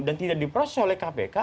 dan tidak diproses oleh kpk